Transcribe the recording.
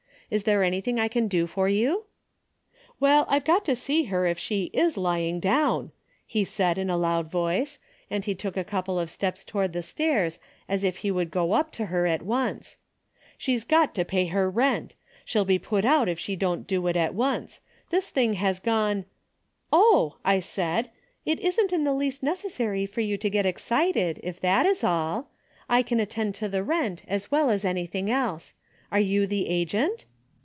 Is there anything I can do for you ?' '"Well, I've got to see her if she is lying DAILY BATE:^ 107 down," he said in a loud voice, and he took a couple of steps toward the stairs as if he would go up to her at once. ' She's got to pay her rent. She'll be put out if she don't do it at once. This thing has gone '''' Oh,' I said, ' it isn't in the least necessary for you to get excited, if that is all. I can at tend to the rent as well as anything else. Are you the agent